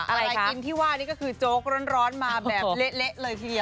อะไรค่ะอะไรกินที่ว่านี่ก็คือโจ๊กร้อนร้อนมาแบบเละเละเลยทีเดียว